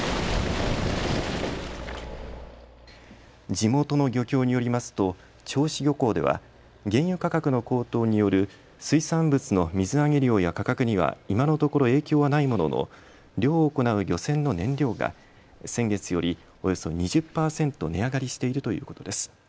地元の漁協によりますと銚子漁港では原油価格の高騰による水産物の水揚げ量や価格には今のところ影響はないものの漁を行う漁船の燃料が先月よりおよそ２０％値上がりしているということです。